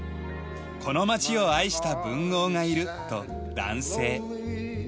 「この街を愛した文豪がいる」と男性。